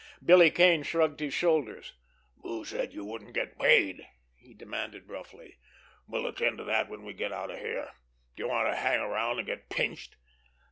Billy Kane shrugged his shoulders. "Who said you wouldn't get paid?" he demanded roughly. "We'll attend to that when we get out of here. Do you want to hang around and get pinched?"